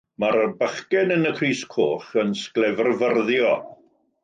Mae'r bachgen yn y crys coch yn sglefrfyrddio.